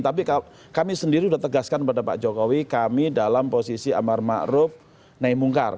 tapi kami sendiri udah tegaskan kepada pak jokowi kami dalam posisi amar makrum naik mungkar